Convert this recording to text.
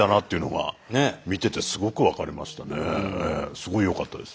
すごいよかったです。